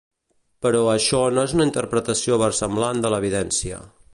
Però això no és una interpretació versemblant de l'evidència.